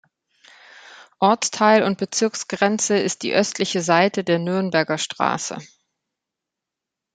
Ortsteil- und Bezirksgrenze ist die östliche Seite der Nürnberger Straße.